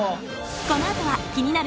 このあとは気になる